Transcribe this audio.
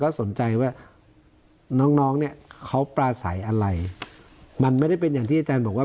สนใจว่าน้องน้องเนี่ยเขาปลาใสอะไรมันไม่ได้เป็นอย่างที่อาจารย์บอกว่า